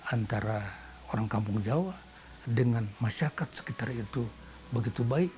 antara orang kampung jawa dengan masyarakat sekitar itu begitu baik